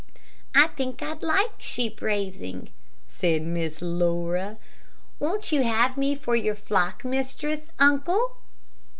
"I think I'd like sheep raising," said Miss Laura; "won't you have me for your flock mistress, uncle?"